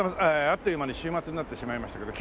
あっという間に週末になってしまいましたけど。